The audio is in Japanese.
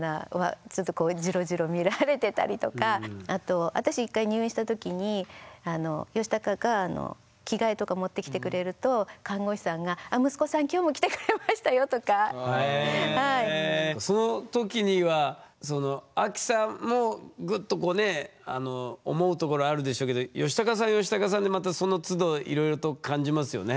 ちょっとこうあと私１回入院した時にヨシタカが着替えとか持ってきてくれるとえその時にはそのアキさんもグッとこうね思うところあるでしょうけどヨシタカさんはヨシタカさんでまたそのつどいろいろと感じますよね？